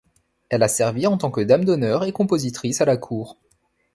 Elle a servi en tant que dame d'honneur et compositrice à la cour.